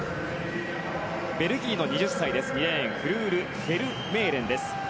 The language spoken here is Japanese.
ベルギーの２０歳フルール・フェルメーレンです。